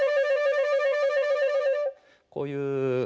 こういう。